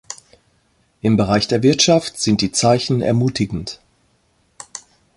Im Bereich der Wirtschaft sind die Zeichen ermutigend.